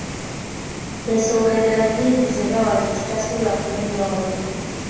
Ensonga endala nnyingi ze bawa ze tutasobola kumenya wano.